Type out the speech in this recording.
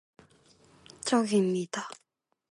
이쪽입니다.